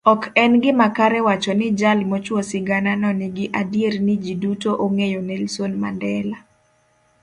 Ok en gima kare wacho nijal mochuo sigananonigi adierni ji dutoong'eyo Nelson Mandela.